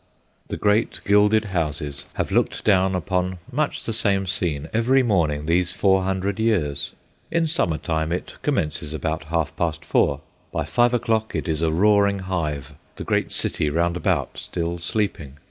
The great gilded houses have looked down upon much the same scene every morning these four hundred years. In summer time it commences about half past four; by five o'clock it is a roaring hive, the great city round about still sleeping.